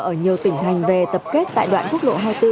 ở nhiều tỉnh thành về tập kết tại đoạn quốc lộ hai mươi bốn